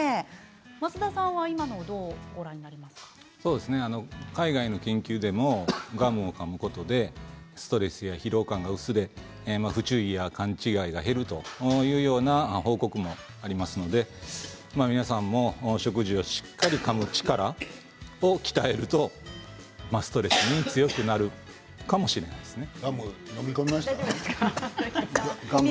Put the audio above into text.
増田さんは海外の研究でもガムをかむことでストレスや疲労感が薄れ不注意や勘違いが減るというような報告もありますので皆さんも食事をしっかりかむ力を鍛えるとストレスに強くなるかもしれないですね。